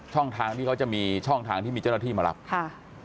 ช่องทางที่เขาจะมีช่องทางที่มีเจ้าหน้าที่มารับค่ะ